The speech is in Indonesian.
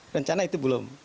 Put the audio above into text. rencana itu belum